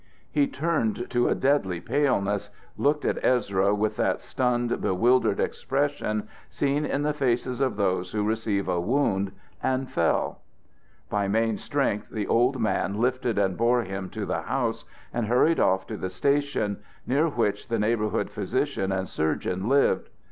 He turned to a deadly paleness, looked at Ezra with that stunned, bewildered expression seen in the faces of those who receive a wound, and fell. By main strength the old man lifted and bore him to the house and hurried off to the station, near which the neighborhood physician and surgeon lived.